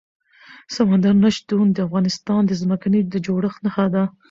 سمندر نه شتون د افغانستان د ځمکې د جوړښت نښه ده.